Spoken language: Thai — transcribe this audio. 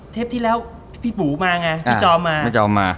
เทปที่แล้วพี่ปูมาไงพี่จอมมา